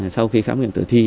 sau khi khám nghiệm tử thi